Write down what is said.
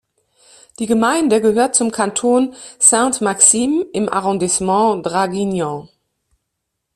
Die Gemeinde gehört zum Kanton Sainte-Maxime im Arrondissement Draguignan.